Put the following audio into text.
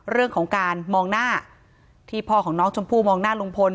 เรื่องของการมองหน้าที่พ่อของน้องชมพู่มองหน้าลุงพล